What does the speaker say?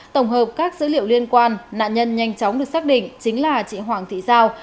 tổng hợp các dữ liệu liên quan nạn nhân nhanh chóng được xác định chính là chị hoàng thị giao